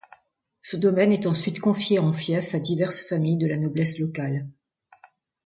Ce domaine est ensuite confié en fief à diverses familles de la noblesse locale.